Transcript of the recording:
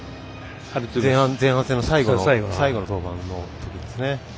前半戦の最後の登板のときですね。